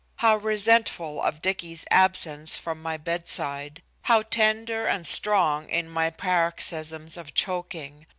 How resentful of Dicky's absence from my bedside! How tender and strong in my paroxysms of choking!